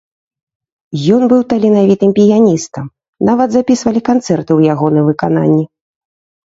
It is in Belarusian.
Ён быў таленавітым піяністам, нават запісвалі канцэрты ў ягоным выкананні.